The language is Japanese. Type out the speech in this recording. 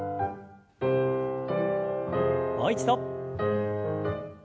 もう一度。